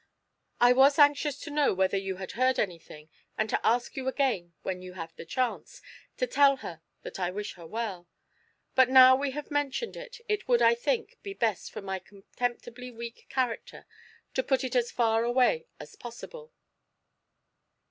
I was anxious to know whether you had heard anything, and to ask you again, when you have the chance, to tell her that I wish her well; but now we have mentioned it, it would, I think, be best for my contemptibly weak character to put it as far away as possible."